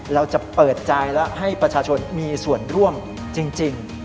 เราจะเปิดใจและให้ประชาชนมีส่วนร่วมจริง